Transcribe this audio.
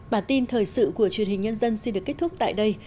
bản tin thời sự của truyền hình nhân dân xin được kết thúc tại đây